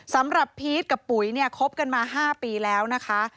พีชกับปุ๋ยเนี่ยคบกันมา๕ปีแล้วนะคะ